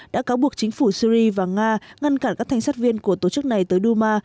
đã cáo buộc chính phủ syri và nga ngăn cản các thanh sát viên của tổ chức này tới duma